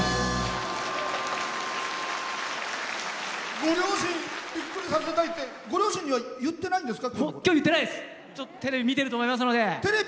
ご両親びっくりされてないかってご両親には言ってないんですか？